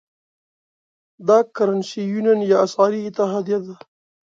دا Currency Union یا اسعاري اتحادیه ده.